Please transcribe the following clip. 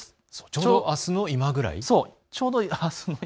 ちょうどあすの今ぐらいです。